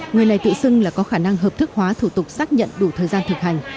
người này tự xưng là có khả năng hợp thức hóa thủ tục xác nhận đủ thời gian thực hành